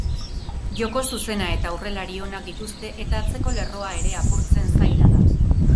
Joko zuzena eta aurrelari onak dituzte eta atzeko lerroa ere apurtzen zaila da.